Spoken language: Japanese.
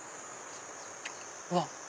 うわっ！